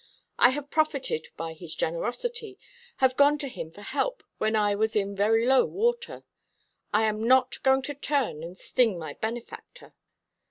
I have profited by his generosity, have gone to him for help when I was in very low water. I am not going to turn and sting my benefactor.